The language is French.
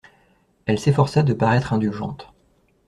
Elle s'efforça de paraître indulgente.